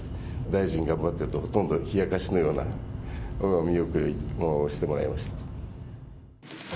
大臣頑張って！と、ほとんど冷やかしのような見送りをしてもらいました。